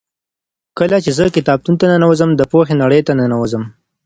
کله چې زه کتابتون ته ننوځم نو د پوهې نړۍ ته ننوځم.